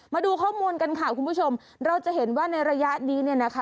มาดูข้อมูลกันค่ะคุณผู้ชมเราจะเห็นว่าในระยะนี้เนี่ยนะคะ